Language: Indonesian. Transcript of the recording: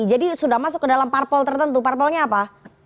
jadi sudah masuk ke dalam parpol tertentu parpolnya apa